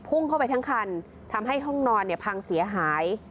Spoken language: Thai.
พุ่งเข้าไปทั้งคันทำให้ห้องนอนเนี่ยพังเสียหาย